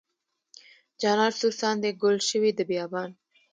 جانان سور ساندې ګل شوې د بیابان.